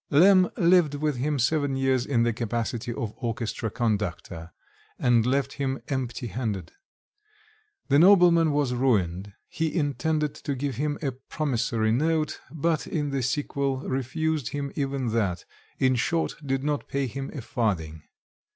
Lemm lived with him seven years in the capacity of orchestra conductor, and left him empty handed. The nobleman was ruined, he intended to give him a promissory note, but in the sequel refused him even that in short, did not pay him a farthing.